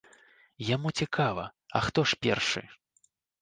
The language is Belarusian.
Яму цікава, а хто ж першы.